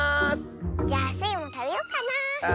じゃあスイもたべようかなあ。